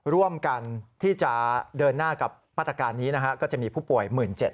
ร่วมกันที่จะเดินหน้ากับมาตรการนี้นะฮะก็จะมีผู้ป่วย๑๗๐๐